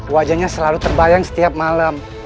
wajahnya selalu terbayang setiap malam